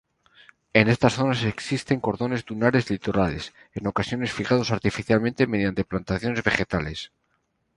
En estas zonas existen cordones dunares litorales, en ocasiones fijados artificialmente mediante plantaciones vegetales.